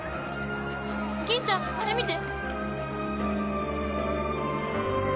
吟ちゃんあれ見て！